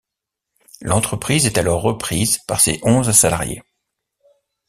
L'entreprise est alors reprise par ses onze salariés.